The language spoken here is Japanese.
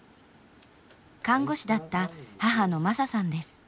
看護師だった母の真砂さんです。